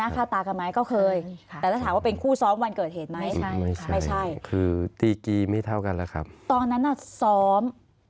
ถ้าถามว่าเคยเห็นน่าค่าตากันไหม